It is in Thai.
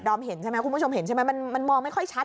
เห็นใช่ไหมคุณผู้ชมเห็นใช่ไหมมันมองไม่ค่อยชัด